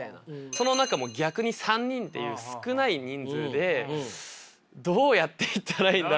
その中逆に３人っていう少ない人数でどうやっていったらいいんだろう？みたいな。